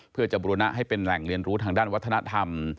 เพื่อจะบุรณะให้เป็นแหล่งเรียนรู้ทางด้านวัฒนธรรม